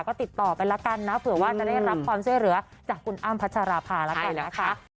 ก็ติดต่อไปละกันนะเผื่อว่าจะได้รับความช่วยเหลือจากคุณอ้ำพัชราภาแล้วกันนะคะ